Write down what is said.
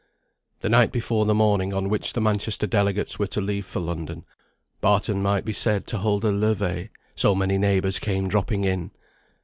The night before the morning on which the Manchester delegates were to leave for London, Barton might be said to hold a levée, so many neighbours came dropping in.